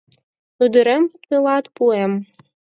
«Ӱдырем тылат пуэм!»